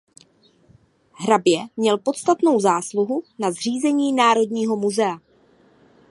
Hrabě měl podstatnou zásluhu na zřízení Národního muzea.